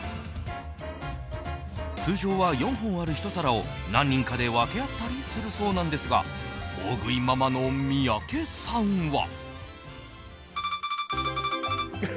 通常は４本ある１皿を何人かで分け合ったりするそうなんですが大食いママの三宅さんは。